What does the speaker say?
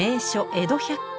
江戸百景